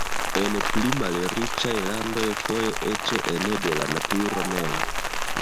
En pli malriĉaj landoj foje eĉ ene de la naturo mem.